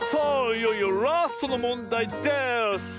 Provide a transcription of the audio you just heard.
いよいよラストのもんだいです！